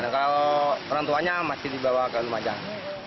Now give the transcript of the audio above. kalau orang tuanya masih dibawa ke lumajang